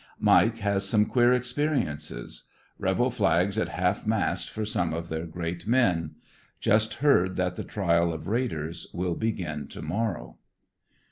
Mike has some queer experiences. Rebel flags at half mast for some of their great men. Just heard that the trial of raiders will begin to morrow.